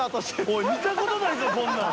おい見たことないぞこんなん。